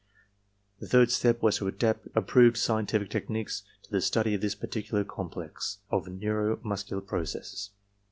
The third step was to adapt ap proved scientific technics to the study of this particular complex of neuro muscular processes.